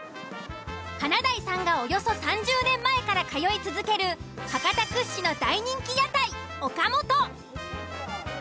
華大さんがおよそ３０年前から通い続ける博多屈指の大人気屋台「おかもと」。